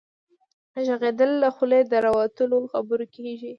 ږغيدل له خولې د راوتلو خبرو کيږي.